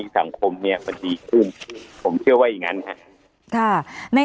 สังคมเนี่ยมันดีขึ้นผมเชื่อว่าอย่างนั้นครับ